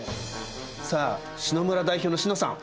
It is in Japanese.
さあ詩乃村代表の詩乃さん。